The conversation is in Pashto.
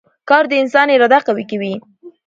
کار د انسان اراده قوي کوي